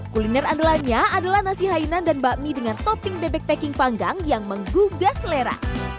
kuliner andalannya adalah nasi hainan dan bakmi dengan topping bebek packing panggang yang menggugah selera